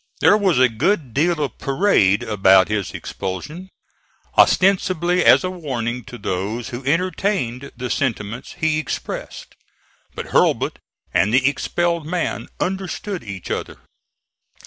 There was a good deal of parade about his expulsion, ostensibly as a warning to those who entertained the sentiments he expressed; but Hurlbut and the expelled man understood each other.